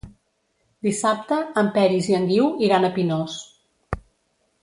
Dissabte en Peris i en Guiu iran a Pinós.